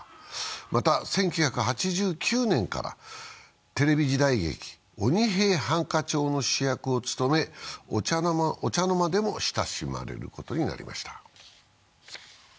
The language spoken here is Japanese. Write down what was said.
また、１９８９年からテレビ時代劇「鬼平犯科帳」の主役を務め、お茶の間でも親しまれることになりました。